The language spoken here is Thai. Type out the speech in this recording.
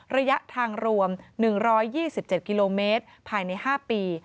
ระยะทางรวม๑๒๗กิโลเมตรภายใน๕ปี